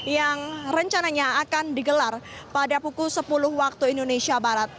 yang rencananya akan digelar pada pukul sepuluh waktu indonesia barat